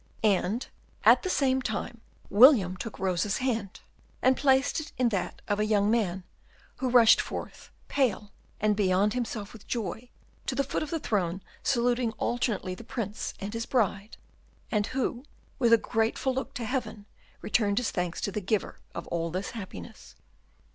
And at the same time William took Rosa's hand, and placed it in that of a young man, who rushed forth, pale and beyond himself with joy, to the foot of the throne saluting alternately the Prince and his bride; and who with a grateful look to heaven, returned his thanks to the Giver of all this happiness.